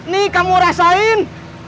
nih kamu rasain